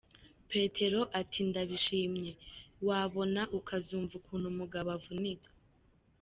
Petero ati “Ndabishimye, wabona ukazumva ukuntu umugabo avunika.